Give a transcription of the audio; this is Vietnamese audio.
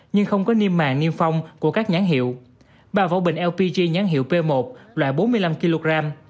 nhưng không có niêm màng niêm phong của các nhán hiệu ba vỏ bình lpg nhán hiệu p một loại bốn mươi năm kg